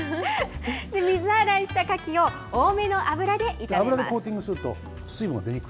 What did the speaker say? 水洗いしたカキを多めの油で炒めます。